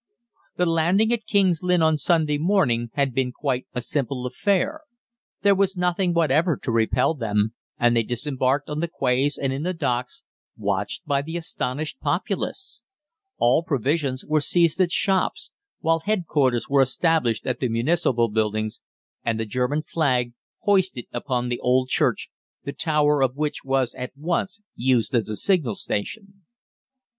The landing at King's Lynn on Sunday morning had been quite a simple affair. There was nothing whatever to repel them, and they disembarked on the quays and in the docks, watched by the astonished populace. All provisions were seized at shops, while headquarters were established at the municipal buildings, and the German flag hoisted upon the old church, the tower of which was at once used as a signal station.